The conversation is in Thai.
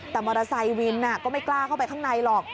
แต่มอเตอร์ไซค์วินก็ไม่กล้าเข้าไปข้างในหรอก